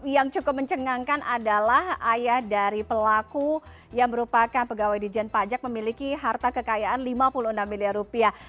yang cukup mencengangkan adalah ayah dari pelaku yang merupakan pegawai dijen pajak memiliki harta kekayaan lima puluh enam miliar rupiah